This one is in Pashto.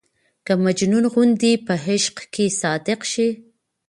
که مجنون غوندې په عشق کې صادق شي.